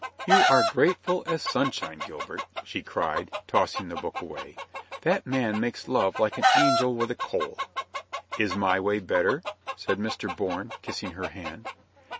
"You are grateful as sunshine, Gilbert," she cried, tossing the book away. "That man makes love like an angel with a cold." "Is my way better?" said Mr. Bourne, kissing her hand.